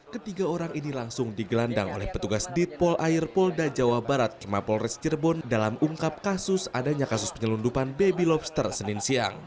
ketiga orang ini langsung digelandang oleh petugas ditpol air polda jawa barat ke mapolres cirebon dalam ungkap kasus adanya kasus penyelundupan baby lobster senin siang